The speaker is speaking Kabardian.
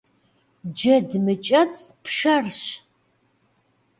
Джэд мыкӏэцӏ пшэрщ.